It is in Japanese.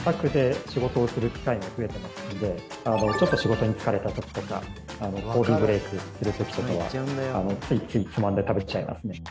ちょっと仕事に疲れた時とかコーヒーブレークする時とかはついついつまんで食べちゃいますね。